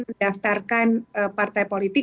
mendaftarkan partai politik